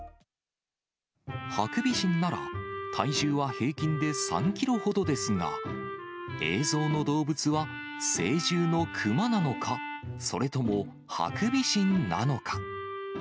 ハクビシンなら、体重は平均で３キロほどですが、映像の動物は、成獣の熊なのか、それともハクビシンなのか。